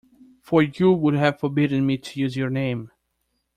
For you would have forbidden me to use your name.